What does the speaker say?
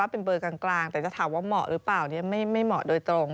เป็นเบอร์กลางแต่จะถามว่าเหมาะหรือเปล่าไม่เหมาะโดยตรง